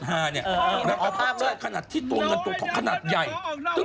อยากฟังแบบหัวชุกลองฟังกันสักนิดหนึ่ง